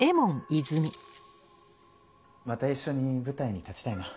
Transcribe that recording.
また一緒に舞台に立ちたいな。